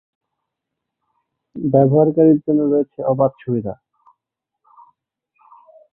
ব্যবহারকারীর জন্য রয়েছে অবাধ সুবিধা।